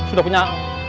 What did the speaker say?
kamu sudah punya pasangan